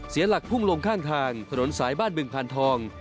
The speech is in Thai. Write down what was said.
เสียหลักพุ่งลงข้างทางถนนสายบ้านบึงพานทอง